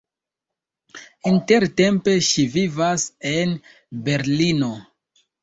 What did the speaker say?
Intertempe ŝi vivas en Berlino.